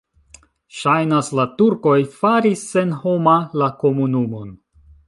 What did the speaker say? Ŝajnas, la turkoj faris senhoma la komunumon.